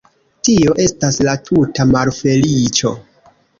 Tio estas la tuta malfeliĉo!